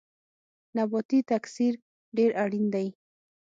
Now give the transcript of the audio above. نباتي تکثیر ډیر اړین دی